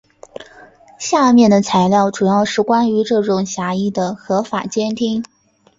下面的材料主要是关于这种狭义的合法监听。